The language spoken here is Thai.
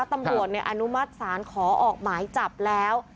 ตำรวจอนุมัติศาลขอออกหมายจับแล้ว